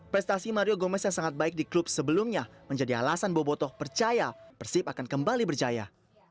prestasi mario gomez yang sangat baik di klub sebelumnya menjadi alasan bobotoh percaya persib akan kembali berjaya